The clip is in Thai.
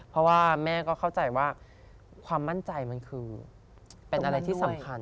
เพราะว่าแม่ก็เข้าใจว่าความมั่นใจมันคือเป็นอะไรที่สำคัญ